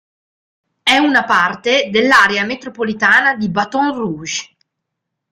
È una parte dell'Area Metropolitana di Baton Rouge.